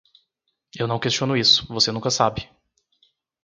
Eu não questiono isso, você nunca sabe.